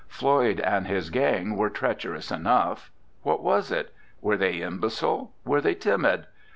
Floyd and his gang were treacherous enough. What was it? Were they imbecile? Were they timid?